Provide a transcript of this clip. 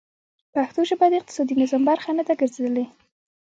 پښتو ژبه د اقتصادي نظام برخه نه ده ګرځېدلې.